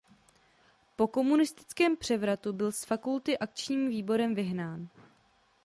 Po komunistickém převratu byl z fakulty akčním výborem vyhnán.